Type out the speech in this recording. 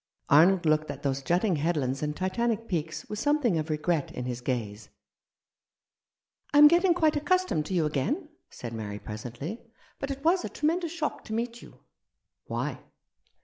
Arnold looked at those jutting headlands Rough Justice. and Titanic peaks with something of regret in his gaze. " I am getting quite accustomed to you again," said Mary, presently ;" but it was a tremendous shock to meet you." "Why?"